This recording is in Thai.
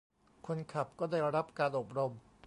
คนขับก็ได้รับการอบรม